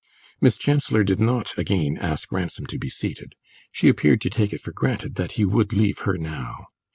Miss Chancellor did not again ask Ransom to be seated; she appeared to take it for granted that he would leave her now.